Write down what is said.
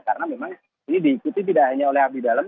karena memang ini diikuti tidak hanya oleh abdi dalam